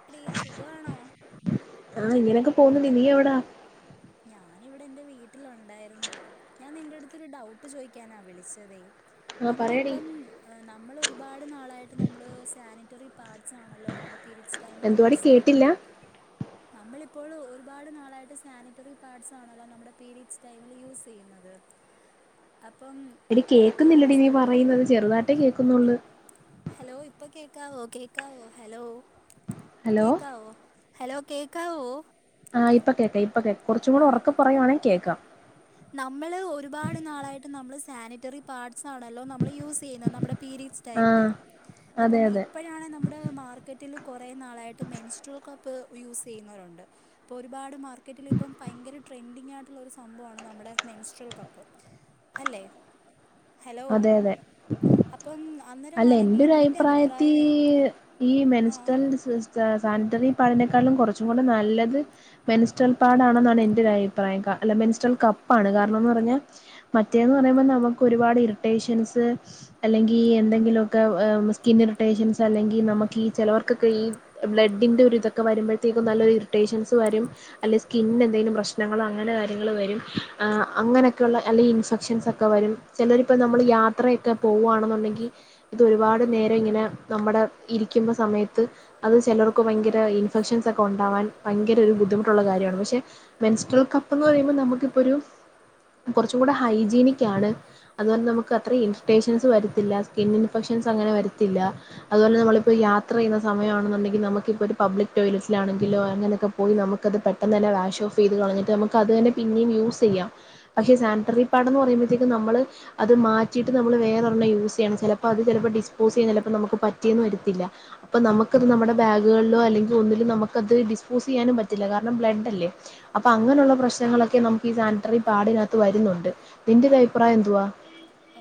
[unintelligible] സുഖവാണോ? ആഹ് ഇങ്ങനൊക്കെ പോവുന്നെഡി. നീയെവിടാ? ഞാനിവിടെ എന്റെ വീട്ടിലുണ്ടായിരുന്നു. ഞാൻ നിന്റെ അടുത്തൊരു ഡൗട്ട് ചോയ്ക്കാനാ വിളിച്ചതെ. ആഹ് പറയടി നമ്മളിപ്പം ഏഹ് നമ്മള് ഒരുപാട് നാളായിട്ട് നമ്മള് സാനിറ്ററി പാഡ്സ് ആണല്ലോ നമ്മുടെ പീരീഡ്സ് ടൈംമിൽ എന്തുവാടി കേട്ടില്ല യൂസെയ്യുന്നത്. നമ്മളിപ്പോളു ഒരുപാട് നാളായിട്ട് സാനി ട്ടറി പാഡ്സാണല്ലോ നമ്മുടെ പീരീഡ്സ് ടൈമിൽ യൂസെയ്യുന്നത്. അപ്പം എടി ഇപ്പോഴത്തെ കേക്കുന്നില്ലെടീ അവസ് നീ പറയുന്നത് ചെറുതായിട്ടേ കേക്കുന്നൊള്ള്. ഹലോ ഇപ്പൊ കേക്കാവോ കേക്കാവോ ഹലോ ഹലോ കേക്കാവോ. ഹലോ കേക്കാവോ? ആഹ് ഇപ്പ കേക്കാം ഇപ്പ കേ. കുറച്ചുംകൂടെ ആ ഒറക്കെ പറയുവാണെ കേക്കാം. നമ്മള് ഒരുപാട് നാളായിട്ട് നമ്മള് സാനിറ്ററി പാഡ്സാണല്ലോ നമ്മള് യൂസെയ്യുന്നെ. നമ്മുടെ പീരീഡ്സ് ടൈമില്. ആഹ് അതെ അപ്പം അതെ ഇപ്പഴാണെ നമ്മുടെ മാർക്കറ്റിൽ കൊറേ നാളായിട്ട് മെൻസ്ട്രൊൽ ക പ്പ് യൂസെയ്യുന്നോരുണ്ട്. അപ്പോ ഒരുപാട് മാർക്കറ്റിലി പ്പം ഭയങ്കര ട്രെൻഡിങ്ങായിട്ടുള്ളൊരു സംഭവാണ് നമ്മുടെ മെൻസ്ട്രൽ കപ്പ്. അല്ലേ?. ഹലോ, അതെ അതെ അപ്പം അല്ല അന്നേരവാണെങ്കി എന്റെ ഒരു നിന്റെ അഭിപ്രായത്തി അഭിപ്രായവെ ഈ മെൻസ്റ്റൽ ഡിസിസ് സ സാനിറ്ററി പാഡിനേക്കാളും കുറച്ചും കൂടെ നല്ലത് മെൻസ്ട്രൽ പാഡാണെന്നാണ് എൻ്റെ ഒരയി പ്രായം. ക അല്ല മെൻസ്ട്രെൽ കപ്പാണ്. കാരണംന്ന് പറഞ്ഞാ മറ്റേന്ന് പറയുമ്പം നമുക്ക് ഒരുപാട് ഇറി ട്ടേഷൻസ്. അല്ലെങ്കി എന്തെങ്കിലു ഒക്കെ സ്കിൻ ഇറിട്ടേഷൻസ് അല്ലെങ്കി നമുക്കീ ചിലവർക്കൊക്കെ ഈ ബ്ലഡിന്റെ ഒരു ഇതൊക്കെ വരുമ്പഴ്ത്തേക്കും നല്ലൊരു ഇറിട്ടേഷൻസ് വരും. അല്ലെ സ്കിന്നിനെന്തെങ്കിലും പ്രശ്നങ്ങളോ അങ്ങനെ കാര്യങ്ങൾ വരും. ഏഹ് അങ്ങനെയക്കെയുള്ള അല്ലെയ് ഇൻഫെക്ഷൻസൊ ഒക്കെ വരും ചെലോരിപ്പം നമ്മള് യാത്രയൊക്കെ പോവാണെന്നുണ്ടെങ്കി ഇതൊര്പാട് നേരം ഇങ്ങനെ നമ്മടെ ഇരിക്ക്ന്ന സമയത്ത് അത് ചെലൊർക്ക് ഭയങ്കര ഇൻഫെക്ഷൻസൊക്കെ ഇണ്ടാവാൻ ഭയങ്കര ഒരു ബുദ്ധിമുട്ടുള്ള കാര്യാണ് പക്ഷെ മെൻസ്ട്രൽ കപ്പെന്ന് പറയുമ്പോ നമുക്കിപ്പൊരു കൊറച്ചും കൂടെ ഹൈജീനിക്കാണ്. അതുപോലെ നമുക്ക് അത്രയും ഇറിറ്റേഷൻസ് വരത്തില്ല സ്കിൻ ഇൻഫെക്ഷൻസ് അങ്ങനെ വരത്തില്ല. അതുപോലെ നമ്മളിപ്പോ യാത്രയ്യ്ന്ന സമയാണെന്നുണ്ടെങ്കി നമ്മക്കിപ്പോര് പബ്ലിക് ടോയ്ലറ്റിലാണെങ്കിലോ അങ്ങനെക്കെ പോയി നമുക്കത് പെട്ടെന്ന് തന്നെ വാഷ് ഓഫെയ്ത് കളഞ്ഞിട്ട് നമ്മക്ക് അത് തന്നെ പിന്നിം യൂസെയ്യാം. പക്ഷെ സാനറ്ററി പേടെന്ന് പറയുമ്പോഴത്തേക്കും നമ്മള് അത് മാറ്റിട്ട് നമ്മള് വേറെ ഒരെണ്ണം യൂസെയ്യണം ചെലപ്പ അത് ചെലപ്പോ ഡിസ്പോസെയ്യാൻ ചെലപ്പം നമ്മക്ക് പറ്റീന്ന് വത്തില്ല. അപ്പം നമ്മക്കത് നമ്മടെ ബാഗ്കളിലോ അല്ലെങ്കി ഒന്നിലും നമുക്കത് ഡിസ്പോസെയ്യാനും പറ്റില്ല കാരണം ബ്ലഡല്ലേ. അപ്പൊ അങ്ങനെ ഉള്ള പ്രശ്നങ്ങളൊക്കെ നമുക്ക് ഈ സാനിറ്ററി പാടിനകത്ത് വരുന്നുണ്ട് നിന്റെ ഒരഭിപ്രായം എന്തുവാ?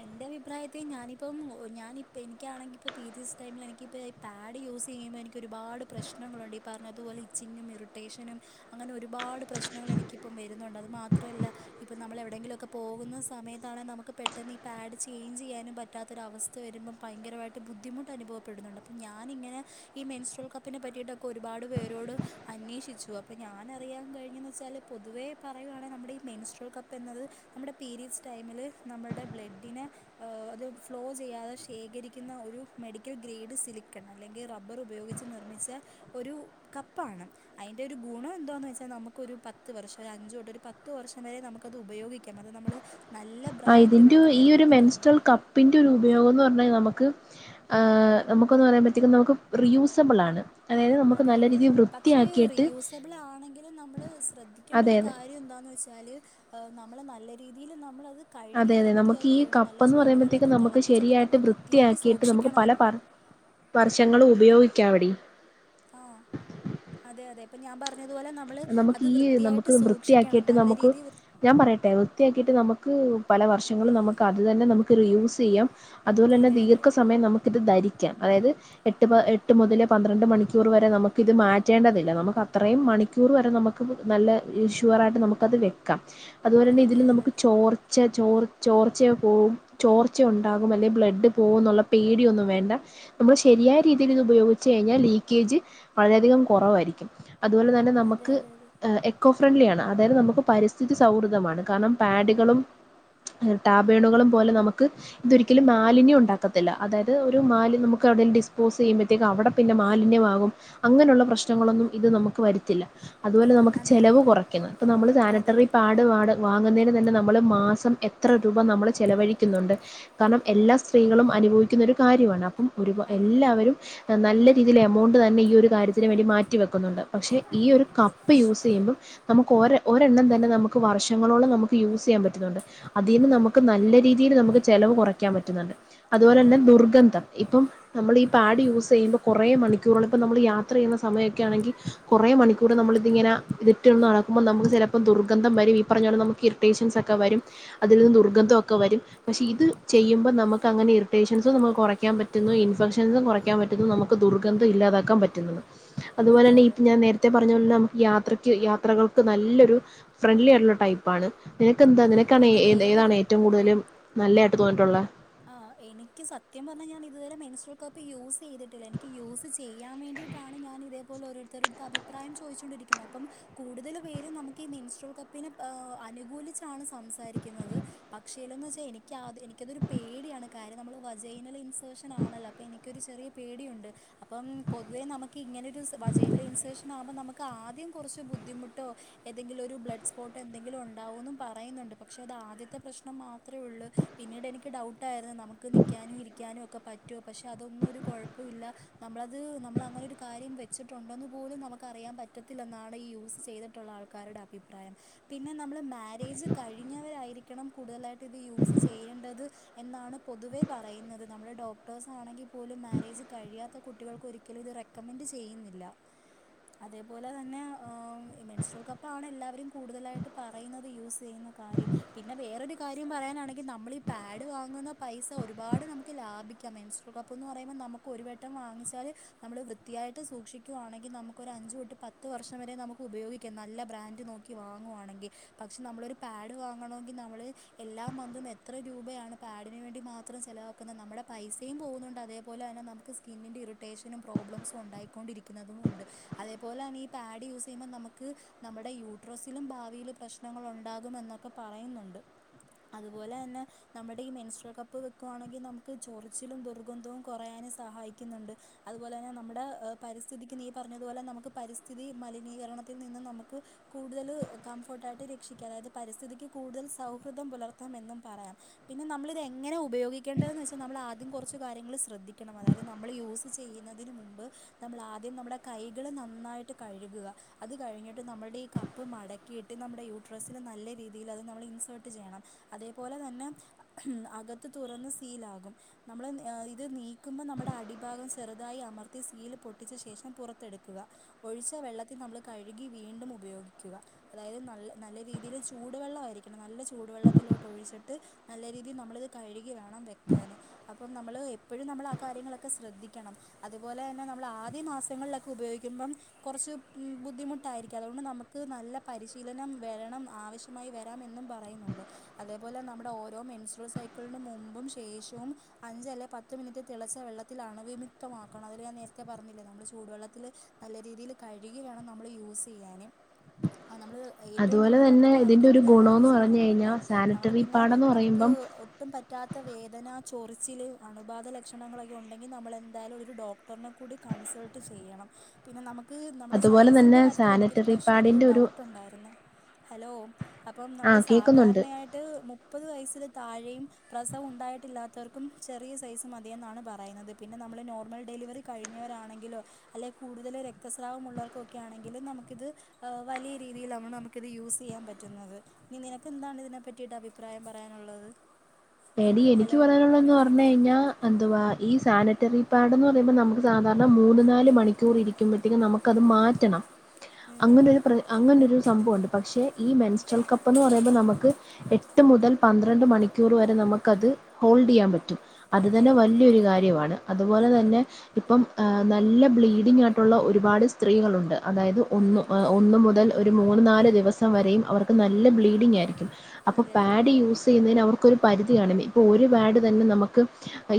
എന്റെ അഭിപ്രായത്തി ഞാനിപ്പം ഒ ഞാനിപ്പ എനിക്കാണെങ്കി ഇപ്പോ പിരീഡ്സ് ടൈമിലെനിക്കിപ്പ പാഡ് യൂസെയ്യുമ്പോ എനിക്ക് ഒരുപാട് പ്രശ്നങ്ങളുണ്ട് ഈ പറഞ്ഞതുപോലെ ഇച്ചിങ്ങും ഇറിറ്റേഷനും അങ്ങനെ ഒരുപാട് പ്രശ്നങ്ങൾ എനിക്കിപ്പം വരുന്നുണ്ട് അത് മാത്രമല്ല ഇപ്പൊ നമ്മള് എവിടെങ്കിലൊക്കെ പോകുന്ന സമയത്താണെ നമുക്ക് പെട്ടെന്ന് ഈ പാഡ് ചേയ്ഞ്ചെയ്യാനും പറ്റാത്തൊരവസ്ഥ വരുമ്പം ഭയങ്കരായിട്ട് ബുദ്ധിമുട്ട് അനുഭവപ്പെടുന്നുണ്ട് അപ്പം ഞാനിങ്ങനെ ഈ മെൻസ്ട്രോൾ കപ്പിനെ പറ്റിയിട്ടൊക്കെ ഒരുപാട് പേരോട് അന്വേഷിച്ചു അപ്പോ ഞാനറിയാൻ കഴിഞ്ഞെന്ന് വെച്ചാല് പൊതുവേ പറയുവാണെ നമ്മടെ ഈ മെനുസ്ട്രൽ കപ്പ് എന്നത് നമ്മുടെ പീരീഡ്സ് ടൈമില് നമ്മുടെ ബ്ല ഡിനെ ഏ അത് ഫ്ലോ ചെയ്യാതെ ശേഖരിക്ക്ന്ന ഒരു മെഡിക്കൽ ഗ്രേഡ് സിലിക്കണ് അല്ലെങ്കി റബ്ബറ് ഉപയോഗി ച്ച് നിർമ്മിച്ച ഒരു കപ്പാണ്. അയ്ന്റോരു ഗുണം എന്താന്ന് വെച്ചാ നമുക്കൊരു പത്ത് വർഷം ഒരു അഞ്ച് തൊട്ട് ഒരു പത്ത് വർഷം വരെ നമുക്കത് ഉപയോഗി ക്കാം അത് നമ്മള് ആഹ് ഇതിന്റെ ഈ ഒരു മെൻസ്ട്രൽ കപ്പിന്റോര് ഉപയോഗംന്ന് പറഞ്ഞാ നമുക്ക് ഏ നമുക്കൊന്ന് പറയ്മ്പത്തേക്കും നമുക്ക് റിയൂസബ്ളാണ്. അതെ അതെ പക്ഷേ റിയൂസബിളാണെങ്കിലും നമ്മള് ശ്രദ്ധിക്കേണ്ട അതെ ഒരു അതെ കാര്യം എന്താന്ന് വെച് കഴിഞ്ഞാല് നമ്മള് നല്ല രീതിയിൽ നമ്മളത് കഴുകി അതെ അതെ നമുക്ക് വൃത്തിയാക്കി ഈ ഇടണം നല്ല കപ്പെന്ന് പറയുമ്പത്തേക്കും ചൂടുവെള്ളത്തിൽ നമുക്ക് തിളപ്പിച്ചൊക്കെ ശരിയായിട്ട് നമ്മൾ വൃത്തിയായിട്ട് വൃത്തിയാക്കിയിട്ട് നമുക്ക് സൂക്ഷിക്കണം പല അത് പർ വർഷങ്ങള് ഉപയോഗിക്കാം എടീ ആഹ് അതെ അതെ ഇപ്പം ഞാൻ പറഞ്ഞത്പോലെ ന മ്മള് നമുക്ക് അത് ഈ വൃത്തിയായിട്ട് നമുക്ക് സൂക്ഷിക്കണം വൃത്തിയാക്കിയിട്ട് നല്ല നമുക്ക് രീതി വൃ ഞാൻ പറയട്ടെ വൃത്തിയാക്കിട്ട് നമുക്ക് പല വർഷങ്ങളും നമുക്ക് അത് തന്നെ നമുക്ക് റിയൂസെയ്യാം. അത്പോലെന്നെ അതെ അതെ ദീർഘ സമയം നമുക്കിത് ധരിക്കാം അതായത് എട്ട് പ എട്ട് മുതല് പന്ത്രണ്ട് മണിക്കൂർ വരെ നമുക്കിത് മാറ്റേണ്ടതില്ല നമുക്ക് അത്രേയും മണി ക്കൂറ് വരെ നമുക്ക് നല്ല ഷുവറായിട്ട് നമുക്കത് വെക്കാം അതുപോലെ തന്നെ ഇതിൽ അതെ അതെ നമുക്ക് ചോർ ച്ചെ ചോർ ചോർച്ചയൊ പോവും ചോർച്ച ഉണ്ടാകും അല്ലെങ്കി ബ്ലഡ് പോകുന്നുള്ള പേടിയൊന്നും വേണ്ട നമ്മള് ശരിയായ രീതിയിൽ ഇത് ഉപയോഗിച്ച് കഴിഞ്ഞാ ലീക്കേജ് വളരെയധികം കുറവായിരിക്കും അതുപോലെ തന്നെ അതെ ക്ക് അതെ എക്കോ ഫ്രണ്ട്ലി ആണ് അതായത് നമുക്ക് പരിസ്ഥിതി സൗഹൃദമാണ് കാരണം പാഡ്കളും ടാബേണുകളും പോലെ നമക്ക് ഇതൊരിക്കലും മാലിന്യം ഉണ്ടാക്കത്തില്ല അതായത് ഒരു മാലി നമുക്ക് എവിടേലും ഡിസ്പോസെയ്യ് അവിടെ പിന്നെ മാലിന്യമാകും അങ്ങനെയുള്ള പ്രശ്നങ്ങളൊന്നും ഇത് നമുക്ക് വര്ത്തില്ല അതുപോലെ നമുക്ക് അതെ ചെലവ് കുറയ്ക്ക്ന്ന് ഇപ്പ നമ്മള് അതെ അതെ അതെ സാനിറ്ററി പാഡ് വാട് വാങ്ങുന്നതിന് തന്നെ നമ്മള് മാസം എത്ര രൂപ നമ്മള് ചെലവയിക്കുന്നുണ്ട് കാരണം എല്ലാ സ്ത്രീകളും അനുഭവിക്കുന്നൊരു കാര്യമാണ് അപ്പം ഒരു അതെ അതെ എല്ലാവരും നല്ല രീതിയിൽ എമൗണ്ട് തന്നെ ഈ ഒരു കാര്യത്തിന് വേണ്ടി മാറ്റിവെക്കുന്നുണ്ട് പക്ഷെ ഈ ഉം ഒരു കപ്പ് യൂസെയ്യുമ്പം നമുക്ക് ഒരെ ഒരെണ്ണം തന്നെ നമുക്ക് വർഷങ്ങളോളം നമുക്ക് യൂസ്യ്യാൻ പറ്റുന്നുണ്ട് അതീന്ന് ഉം നമുക്ക് നല്ല രീതിയില് നമുക്ക് ചെലവ് കൊറക്കാൻ പറ്റുന്നുണ്ട്, അതുപോലെ അതെ ന്നെ അതെ ദുർഗന്ധം ഇപ്പം നമ്മളീ പാഡ് യൂസ് ചെയ്യുമ്പം കൊറെ മണിക്കൂറോളം ഇപ്പം നമ്മള് യാത്ര ചെയ്യുന്ന സമയൊക്കെ ആണെങ്കി കൊറേ മണി ക്കൂറ് നമ്മള് തിങ്ങനെ ഇതിട്ടന്ന് നടക്കുമ്പോ നമ്മള് ചെല പ്പം ദുർഗന്ധം വരും ഈ പറഞ്ഞാ പോലെ നമുക്ക് ഇറിറ്റേഷൻസൊക്കെ വരും അതിൽനിന്ന് ദുർഗന്ധവൊക്കെ വരും പക്ഷെ ഇത് ചെയ്യുമ്പം നമുക്കങ്ങനെ ഇറിട്ടേഷൻസ് നമ്മു കുറയ്ക്കാൻപറ്റുന്നു ഇൻഫെക്ഷൻസും കുറെ ക്കാൻ പറ്റുന്നു നമുക്ക് ദുർഗന്ധം ഇല്ലാതാക്കാൻ പറ്റുന്നത് അതുപോലെ അതെ തന്നെ അതെ ഇത് ഞാൻ നേ രത്തെ പറഞ്ഞപോലെ നമുക്ക് യാത്രയ്ക്ക് യാത്രകൾക്ക് നല്ലൊരു ഫ്രണ്ട്ലി ആയിട്ടുള്ള ടൈപ് പാണ് നിനക്കന്താ നിനക്കാണ് പിന്നെ ഏ ഏതാണ് വേറൊരു ഏറ്റവും കൂടുതലും നല്ലായിട്ട് തോന്നിട്ടുള്ള ആഹ് എനിക്ക് സത്യം പറഞ്ഞാ ഞാൻ ഇതുവരെ മെൻസ്ട്ര- കപ്പ് യൂസ് ചെയ്തിട്ടില്ല എനിക്ക് യൂസ് ചെയ്യാൻ വേണ്ടിയിട്ടാണ് ഞാൻ ഇതേ പോലെ ഒരോര്ത്തരുത്ത് അഭി പ്രായം ചോദിച്ചുകൊണ്ടിരിക്കുന്നത്. അപ്പം കൂടുതല് പേരും നമുക്കീ മിൻസ്ട്രോൾ കപ്പിനെ അ് അനുകൂലിച്ചാണ് സംസാ രിക്കുന്നത് പക്ഷേലെന്ന് വെച്ചാത് എനിക്കാത് എനിക്കതൊരു പേടിയാണ് കാരണം നമ്മള് വജൈനൽഇൻസർഷൻ ആണല്ലോ അപ്പോ എനിക്കൊരു ചെറിയ പേടിയുണ്ട് അപ്പം പൊതുവേ നമുക്ക് ഇങ്ങനെരു സ് വജൈനൽ ഇൻസർഷൻ ആവുമ്പം നമുക്കാദ്യം കുറച്ച് ബുദ്ധിമുട്ടോ ഏതെങ്കിലും ഒരു ബ്ലഡ് സ്പോട്ട് എന്തെങ്കിലും ഉണ്ടാവോന്നും പറയുന്നുണ്ട് പക്ഷേ അത് ആദ്യത്തെ പ്രശ്നം മാത്ര ഉള്ളൂ പിന്നീട് എനിക്ക് ഡൗട്ടായിരുന്നു നമുക്ക് നിക്കാനും ഇരിക്കാനും ഒക്കെ പറ്റുമോ പക്ഷെ അതൊന്നും ഒരു കൊഴപ്പവില്ല നമ്മളത് നമ്മളങ്ങനെ ഒരു കാര്യം വെച്ചിട്ടുണ്ടോന്നു പോലും നമുക്ക് അറിയാൻ പറ്റത്തില്ലന്നാണ് ഈ യൂസ് ചെയ്തിട്ടുള്ള ആൾ ക്കാരുടെ അഭിപ്രായം പിന്നെ നമ്മള് മാരേജ് കഴിഞ്ഞവരായിരിക്കണം കൂടുതലായിട്ട് ഇത് യൂസ് ചെയ്യേണ്ടത് എന്നാണ് പൊതുവേ പറയുന്നത്. നമ്മുടെ ഡോക്ടേഴ്സ് ആണെങ്കി പോലും മാരേജ് കഴിയാത്ത കുട്ടികൾക്ക് ഒരിക്കലും ഇത് റെ ക്കമെന്റ് ചെയ്യുന്നില്ല അതേപോലെ തന്നെ ഏഹ് മെൻസ്ട്രോൾക്കപ്പാണ് എല്ലാവരും കൂടുതലായിട്ട് പ റയുന്നത് യൂസ് ചെയ്യുന്ന കാര്യം പിന്നെ വേറൊരു കാര്യം പറയാനാണെങ്കി നമ്മളി പാഡ് വാങ്ങുന്ന പൈസ ഒരുപാട് നമുക്ക്ലാഭിക്കാം മെൻസ്ട്രോൽകപ്പെന്ന് പറയുമ്പം നമുക്കൊരു വട്ടം വാങ്ങിച്ചാല് നമ്മള് വൃത്തിയായിട്ട് സൂക്ഷിക്കുകയാണെങ്കി നമുക്കൊരു അഞ്ച് തൊട്ട് പത്ത് വർഷം വരെ നമുക്ക് ഉപയോഗിക്കാം നല്ല ബ്രാൻഡ് നോ ക്കി വാങ്ങുവാണെങ്കി പക്ഷെ നമ്മളൊരു പാഡ് വാങ്ങണമെങ്കി നമ്മള് എല്ലാം മന്തും എ ത്ര രൂപയാണ് പാഡിന് വേണ്ടി മാത്രം ചെലവാക്കുന്നത്. നമ്മുടെ പൈസയും പോകുന്നുണ്ട് അതേപോലെ തന്നെ നമുക്ക് സ്കിന്നിൻ്റെ ഇറ് ട്ടേഷനും പ്രോബ്ലംസും ഉണ്ടായിക്കൊണ്ടിരിക്കുന്നതും ഉണ്ട് അതേപോലെ തന്നെ ഈ പാഡ് യൂസെയ്യുമ്പം നമ്മക്ക് നമ്മുടെ യൂട്രസിലും ഭാവിയില് പ്രശ്നങ്ങളുണ്ടാകുമെന്നൊക്കെ പറയുന്നുണ്ട് അതുപോലെ ന്നെ നമ്മുടെ ഈ മെൻസ്ട്രോൽകപ്പ് വെക്കുവാണെങ്കി നമുക്ക് ചൊറിച്ചിലും ദുർഗന്ധവും കൊറയാനും സഹായിക്കുന്നുണ്ട് അതുപോലെതന്നെ നമ്മുടെ പരിസ്ഥിതിക്ക് നീ പറഞ്ഞതുപോലെ നമുക്ക് പരിസ്ഥിതി മലിനീകരണത്തിൽ നിന്നും നമുക്ക് കൂടുതൽ കംഫോർട്ടായിട്ട് രക്ഷിക്കുക അതായത് പരിസ്ഥിതിക്ക് കൂടുതൽ സൗഹൃദം പുലർത്താം എന്ന് പറയാം പിന്നെ നമ്മളിത് എങ്ങനെ ഉപയോഗിക്കേണ്ടതെന്ന് വെച്ചാ നമ്മളാദ്യം കുറച്ച് കാര്യങ്ങള് ശ്രദ്ധിക്കണം അതായത് നമ്മള് യൂസ് ചെയ്യുന്നതിന് മുമ്പ് നമളാദ്യം നമ്മുടെ കൈകള് നന്നായിട്ട് കഴുകുക അത് കഴിഞ്ഞിട്ട് നമ്മുടെ ഈ കപ്പ് മടക്കിയിട്ട് നമ്മുടെ യൂട്രസില് നല്ല രീതിയിൽ അത് നമ്മള് ഇൻസേർട്ട് ചെയ്യണം അതേപോലെ തന്നെ ഉം അകത്ത് തുറന്ന് സീലാകും നമ്മള് ഇത് നീക്കുമ്പോൾ നമ്മടെ അടിഭാഗം ചെറുതായി അമർത്തി സീൽ പൊട്ടിച്ച ശേഷം പുറത്തെട്ക്ക്ക ഒഴിച്ച വെള്ളത്തി നമ്മള് കഴ്കി വീണ്ടും ഉപയോഗിക്കുക അതായത് നല്ല നല്ല രീതീല് ചൂടുവെള്ളമായിയിരിക്കണം നല്ല ചൂടുവെള്ളത്തിലോട്ട് ഒഴിച്ചിട്ട് നല്ല രീതിൽ നമ്മളിത് കഴുകി വേണം വെക്കാന്. അപ് അപ്പം നമ്മള് എപ്പഴും നമ്മളാകാര്യങ്ങളക്കെ ശ്രദ്ധിക്കണം അതുപോലതന്നെ നമ്മളാദ്യ മാസങ്ങളിലക്കെ ഉപയോഗിക്കുമ്പം കൊറ്ച്ച് ബുദ്ധിമുട്ടായിരിക്കും. അതുകൊണ്ട് നമുക്ക് നല്ല പരിശീലനം വരണം ആവശ്യ മായി വെരാമെന്നും പറയുന്നുണ്ട്. അതേപോലെ നമ്മുടെ ഓരോ മെൻസ്റോ സൈക്കിളിന് മുമ്പും ശേഷോം. അഞ്ച് അല്ലെ പത്ത് മിനിറ്റ് തിളച്ച വെള്ളത്തിൽ അണുവിമുക്തമാക്കണം. അയ്ല് ഞാൻ നേരത്തെ പറഞ്ഞില്ലേ നമ്മള് ചൂടുവെള്ളത്തില്. നല്ല രീതീല് കഴുകി വേണം നമ്മള് യൂസ്യയ്യാന്. ആഹ് നമ്മള് ഏറ്റവും അതുപോലെ കൂടുതല് നമ്മള് തന്നെ ഇതിന്റെ ഒരു പാലിക്കേണ്ടത് ഗുണംന്ന് പറഞ്ഞു ഹൈജീനാണ് കെട്ടോ. കഴിഞ്ഞാൽ നമ്മള് സാനിറ്ററി പിന്നെ പാഡന്ന് നമുക്ക്. പറയുമ്പം ഒട്ടും പറ്റാത്ത വേദന ചൊറിച്ചില് അണുബാധ ലക്ഷണങ്ങളക്കെ ഉണ്ടെങ്കിനമ്മള് എന്തായാലും ഒരു ഡോക് ഡോക്ടറിനെ കൂടി കൺസേൾട്ട് ചെയ്യണം. പിന്നെ നമക്ക് നമ്മടെ അതുപോലെ തന്നെ സൈസിൻ്റെ കാര്യത്തിൽ എനിക്കൊരു സാനിറ്ററി പ്രശ് ഒരു പാഡിന്റെ ഡൗട്ട് ഉണ്ടായിരുന്നു. ഹലോ. അപ്പം ആ നമ്മള് കേൾക്കുന്നുണ്ട് സാധാര്ണയായ് ത് മുപ്പത് വയസ്സിൽ താഴേയും പ്രസവം ഉണ്ടായിട്ടില്ലാത്തവർക്കും ചെറിയ സൈസ് മതി എന്നാണ് പറയണത്. പിന്നെ നമ്മള് നോർമൽ ഡെലിവറി കഴിഞ്ഞവരാണെങ്കിലു അല്ലെ കൂടുതല് രക്തസ്രാവം ഉള്ളോ ൽക്കൊക്കെ ആണെങ്കിലും നമുക്കിത്. ഹ് വലിയ രീതിയിലാണ് നമുക്ക് ഇത് യൂസ് ചെയ്യാൻ പറ്റുന്നത്. ഇനി നിനക്കെന്താണ് ഇതിനെ പറ്റി റ്റിട്ട അഭിപ്രായം പറയാന്ള്ളത്. എടീ എനിക്ക് പറയാനുള്ളന്ന് പർഞ്ഞ് കഴിഞ്ഞാ. അന്തുവാ ഈ സാനിറ്ററി പാഡ്ന്ന് പറയുമ്പം നമുക്ക് സാധാരണ മൂന്ന്, നാല് മണിക്കൂർ ഇരിക്കുമ്പത്തീനും നമുക്കത് മാറ്റണം. ഉം, അങ്ങനൊരു അങ്ങനൊരു സംഭവണ്ട്. പക്ഷെ ഈ ഉം. മെൻസ്റ്റൽ കപ്പ്ന്ന് പറയുമ്പം നമക്ക്. എട്ട് മുതൽ പന്ത്രണ്ട് മണിക്കൂർ വരെ നമുക്കത് ഹോൾഡെയാം പറ്റും. അത് അതെ തന്നെ അതെ വല്ല്യോരു കാര്യവാണ്. അതുപോലെ അതെ തന്നെ. അതെ ഇപ്പം ആഹ് നല്ല ബ്ലീഡിങ്ങായിട്ടുള്ള ഒരുപാട് സ്ത്രീകളുണ്ട്. അതായത് ഒന്ന് അതെ ഒ ഒന്ന് മുതൽ ഒരു മൂന്ന് നാല് ദിവസം വരേയും അവർക് നല്ല ബ്ലീഡിങ്ങായിരിക്കും. അപ്പ അതെ അതെ പാഡ് യൂസെയ്യുന്നേന് അവർ പരിധി കാണും. ഇപ്പോ ഒരു പാഡ് തന്നെ നമക്ക്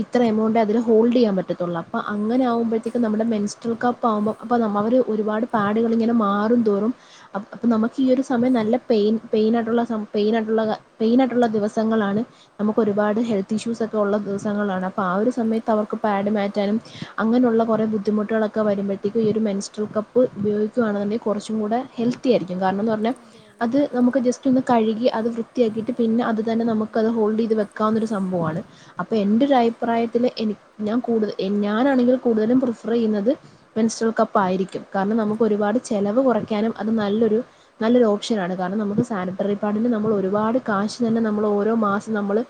ഇത്ര എമൗണ്ടെ അതിന് ഹോൾഡെയ്യാൻ പറ്റത്തൊള്ള അപ്പ അതെ അതെ അങ്ങനെ ആവുമ്പത്തേക് നമ്മുടെ മെൻസ്ടറ്റ്രൾ കപ്പ് ആവുമ്പൊ അപ്പോ അവര് ഒരുപാട് പാഡ്കളിങ്ങനെ മാറുംന്തോറും. അപ്പം നമക്ക് ഈ ഒരു സമയം നല്ല പെയിൻ പെയിനായിട്ടുള്ള പെയിനായിട്ടുള്ള പെയിനായിട്ടുള്ള ദിവസങ്ങളാണ്. നമുക്ക് ഒരുപാട് ഹെൽത്ത് ഇഷ്യൂസ് ഒക്കെ ഒള്ള ദിവസങ്ങളാണ്. അപ്പൊ ആ ഒരു സമയത്ത് അവർക്ക് പാഡ് മാറ്റാനും. അങ്ങനെ ഉള്ള കൊറേ ബുദ്ധിമുട്ടുകളൊക്കെ വരുമ്പഴത്തേക്കും ഈ ഒരു മെൻസ്ട്രൽ കപ്പ് പയോഗിക്കാണെയാന്നുണ്ടങ്കി കൊറച്ചും കൂടെ ഹെൽ വൃത്തിയായിരിക്കും. കാര്ണംന്ന് പറ്ഞ അതെ അതെ അത് നമക്ക് ജസ്റ്റ് ഒന്ന് കഴുകി അത് വൃത്തിയാക്കിട്ട് പിന്നെ അത് തന്നെ ഇപ ഉം. അത് ഹോൾഡെയ്ത് വെക്കാവുന്നൊര് സംഭവാണ്. അപ്പ എന്റെരു അഭിപ്രായത്തില് എനി ഞാൻ കൂടുത ഞാനാണെങ്കി കൂടുതലും പ്രിഫർ ചെയ്യുന്നത്. മെൻസ്റ്റൽ കപ്പായിരിക്കും. കാരണം നമുക്ക് ഒരുപാട് ചെലവ് കൊറയ്ക്കാനും അത് നല്ലൊരു. നല്ലൊരു ഓപ്ഷനാണ്. കാരണം നമുക്ക് സാനിറ്ററി പാഡിന് നമ്മൾ ഒരുപാട് കാശ് തന്നെ നമ്മൾ ഓരോ മാസം നമ്മള്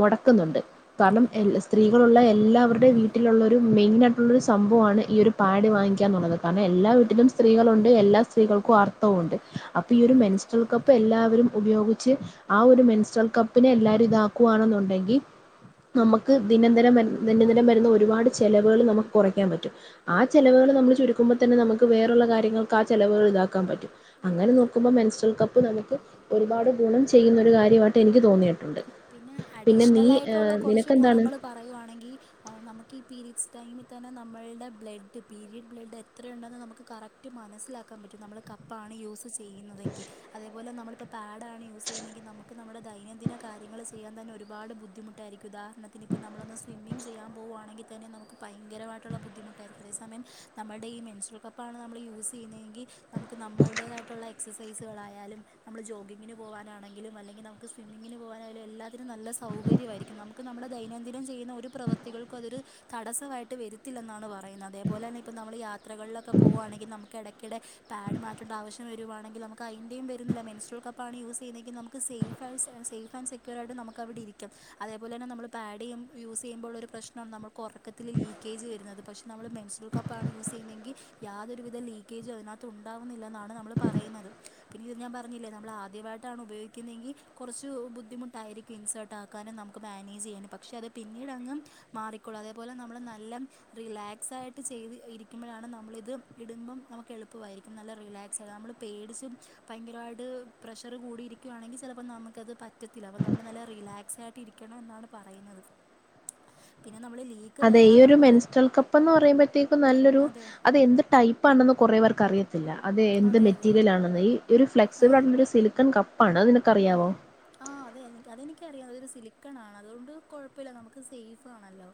മൊടക്കുന്നുണ്ട്. കാരണം അതെ സ്ത്രീ അതെ സ്ത്രീകളൊള്ള എല്ലാവരുടെ വീട്ടിലുള്ളൊരു മെയിനായിട്ടുള്ളൊരു സംഭവമാണ് ഈ ഒരു പാഡ് വാങ്ങിക്കുകന്ന്ള്ളത്. കാരണം എല്ലാ വീട്ടിലും സ്ത്രീകളുണ്ട് എല്ലാ സ്ത്രീൾക്കും ആർ ഊണ്ട്. അപ്പൊ ഈ അതെ ഒരു അതെ മെൻസ്ട്രൽ കപ്പ് എല്ലാവരും ഉപയോഗിച്ച് ആ ഒരു മെൻസ്ട്രൽ കപ്പ് പിന്നെ എല്ലാരും ഇതാക്കുവാന്നുണ്ടെങ്കി നമുക്ക് ദിനംന്തരം വര്ന്ന ദിനദിനം വരുന്ന ഒരുപാട് ചെലവേള് നമക്ക് കൊറയ്ക്കാൻ പറ്റും. ആ ചെലവ്കള് നമ്മള് ചുരുക്കുമ്പോ തന്നെ നമുക്ക് വേറെള്ള കാര്യങ്ങൾ ആ ചെലവ്കൾ താക്കാൻ പറ്റും. ഉം. അങ്ങനെ നോക്കുമ്പ മെൻസ്റ്റൽ കപ്പ് നമക്ക് ഒരുപാട് ഗുണം ചെയ്യുന്ന ഒരു കാര്യവായിട്ട് എനിക് പിന്നെ അഡീഷ്ണലായ്ട്ടൊള്ള കൊറച്ച് നിനക്കെന്താണ് ഗുണങ്ങള് പറയുവാണെങ്കി ആവു നമക്ക് ഈ പീരീഡ്സ് ടൈമി തന്ന നമ്മൾടെ ബ്ലഡ് പീരീഡ് ബ്ലഡ് എത്രയൊണ്ടെന്ന് നമക്ക് കറക് റ്റ് മനസ്സിലാക്കാം പറ്റും നമ്മള് കപ്പാണ് യൂസ് സ് ചെയ്യുന്നതെങ്കി അതെപോലെ നമ്മളിപ്പ പാഡാണ് യൂസെയ്യ്ന്നെങ്കി നമക്ക് നമ്മടെ ദൈനംദിന കാര്യങ്ങള് ചെയ്യാൻ തന്ന ഒരുപാട് ബുദ്ധിമുട്ടാരിക്കും ഉദാഹർണത്തിന് ഇപ്പം നമ്മളൊന്ന് സ്വിമ്മിംഗ് ചെയ്യാം പോവ്വാണെങ്കിൽ തന്നെ നമുക്ക് പയ്ങ്കരവാട്ടുള്ള ബുദ്ധിമുട്ടാരിക്കും അതേസമയം നമ്മൾട ഈ മെൻസ്ട്രൽ കപ്പാണ് നമ്മള് യൂസ് ചെയ്യുന്നെങ്കി നമുക്ക് നമ്മൾടെതായ്ട്ടുള്ള എക്സസൈസ്കളായാലും നമ്മള് ജോഗിങ്ങിന് പോവാനാണങ്കിലും അല്ലെങ്കി നമ് ക്ക് സ്വിമ്മിങ്ങിന് പോവാനായാലും എല്ലാത്തിനും നല്ല സൗകര്യവായിരിക്കും നമ്ക്ക് നമ്മുടെ ദൈനംദിനം ചെയ്യുന്ന ഒര് പ്രവൃത്തികൾക്കു അതൊര് തടസ്സവായിട്ട് വെരുത്തില്ലെന്നാണ് പറയ്ന്ന അതെപോല തന്നെ ഇപ്പം നമ്മള് യാത്രകൾലൊക്ക പോവ്വാണെങ്കി നമക്ക് എടക്ക് ക്ക്ടെ പാഡ് മാറ്റണ്ട ആവശംവരുവാണെങ്കിൽ നമ്ക്കയ്ന്റെം വര്ന്നില്ല മെൻസ്ട്രൽ കപ്പാണ് യൂസെയ്യ്ന്നെങ്കി നമ്ക്ക് സേഫ് ഫാഴ്‌സെ സേഫ് ആൻ സെക്യുറാട്ട് നമക്കവ്ടിരിക്കാം അതെപോല തന്ന നമ്മള് പാഡ്യും യൂസ് ചെയുമ്പോളൊര് പ്രശ്നാണ് നമ്മൾ പ്പ ഒറക്കത്തില് ലീക്കേജ് വരുന്നത് പക്ഷെ നമ്മള് മെൻസ്ട്രൽ കപ്പാണ് യൂസ് ചെയ്യുന്നെങ്കി യാതൊരുവിധ ലീ കെജും അത്നാത്തുണ്ടാവ്ന്നില്ലന്നാണ് നമ്മള് പറയ്ന്നത് പിന്ന ഇത് ഞാം പറഞ്ഞില്ലേ നമ്മളാദ്യവായ്ട്ടാണ് ഉപയോഗിക്കുന്നെങ്കി കൊറച്ചു ബുദ്ധിമുട്ടായിരിക്കും ഇൻസേർട്ട് ആക്കാനും നമ്ക്ക് മാനേജ് ചെയ്യാനു പക്ഷെ അത് പിന്നീടങ്ങ് മാറിക്കൊളും അതെപോലെ നമ്മള് നല്ലം റിലാക്സായ്ട്ട് ചെയ്ത് ഇരിക്കുമ്പഴാണ് നമ്മളിത് ഇടുമ്പം നമ്ക്കെളുപ്പവായ്രിക്കും നല്ല റിലാക്സ നമ്മള് പേടിച്ചും പയ്ങ്കരവാട് പ്രഷറ് കൂടിയിരിക്കുവാണെങ്കി ചെലപ് പ്പൊ നമ്ക്ക്ത് പറ്റത്തില്ല അപ്പ നമ്മള് നല്ല റിലാക്സായ്ട്ട് ഇരിക്കണം എന്നാണ് പറയ്ന്നത് പിന്ന നമ്മള് ലീ അതെ ഈ ഒരു മെൻസ്ട്രൽ കപ്പന്ന് പറയ്മ്പഴ്‌ത്തേക്കും നല്ലൊരു അതെ അതെന്ത് ടൈപ്പാണന്ന് കുറേ പെർക്കറിയത്തില്ല അതെ എന്ത് മെറ്റീരലാണെന്ന് ഈ ഒരു ആഹ് ഫ്ലക്സിബിളായ്ട്ടുള്ളൊര് സിലിക്കൺ കപ്പാണ് അത് നിനക്കറിയാവോ ആഹ് ആഹ് അതെ എനി അതെനിക്കറിയാം അതൊര് സിലിക്കണാണ് അതോണ്ട് കുഴപ്പല്ല നമ്ക്ക് സേഫ് ആണല്ലോ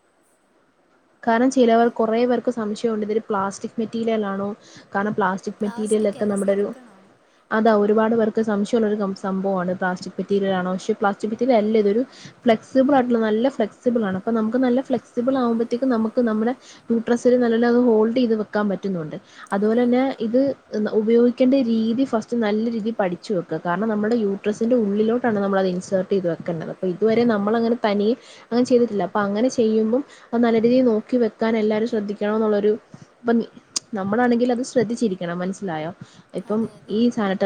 കാരണം ചിലവർ കൊറെ പേർക്ക് സംശയോണ്ട് ഇതൊര് പ്ലാസ്റ്റിക് മെറ്റീരിയലാണോ കാരണം പ്ലാസ്റ്റി സ്റ്റിക് പ്ലാസ്റ്റിക് മെറ്റീരിയലെക്ക അല്ല നമ്മടൊരു സിലിക്കണാണ് അതാ ഒരുപാട് പേർക്ക് സംശയൊള്ളരു കം സമ്പോവാണ് പ്ലാസ്റ്റിക് മെറ്റിരിയലാണോ പഷെ പലാസ്റ്റിക് ഉം മെറ്റീരിലല്ല ഇതൊരു ഫ്ലെക്സിബ്ളാട്ടുള്ള നല്ല ഫ്ലെക്സിബ്ളാണ് അപ്പ നമ്ക്ക് നല്ല ഫ്ലെക്സിബ്ളാവ്മ്പ ത്തെക്ക് നമ്ക്ക് നമ്മടെ യുട്രസില് നല്ലോലത് ഹോൾഡ് ചെയ്ത് വെക്കാം പറ്റ്ന്നൊണ്ട് അത്പോല അതെ തന്നെ അതെ ഇത് എന്ത ഉപയോഗിക്കണ്ട രീതി ഫസ്റ്റ് നല്ല രീതി പഠിച്ച് വെക്ക്ക കാർണം നമ്മൾട യൂട്രസിൻ്റ ഉള്ളിലോട്ടാണ് നമ്മളത് ഇൻസേർട്ട് ചെയ്ത് വെക്കണ്ടത് പ്പ ഇതുവരെ ഓ നമ്മളങ്ങനെ തനിയെ അങ്ങന ചെയ്ത്ട്ടില്ല അപ്പ അങ്ങന ചെയ്യുമ്പം അപ്പ നല്ല രീതി നോക്കി വെക്കാനെല്ലാരും ശ്രദ്ധിക്കണോന്നുള്ളൊരു ഇപ്പ നി നമ്മളാണെങ്കിലത് ശ്രദ്ധിച്ചിരിക്കണം മനസ്സിലായോ ഇപ്പം അതെ അതെ ഈ സാന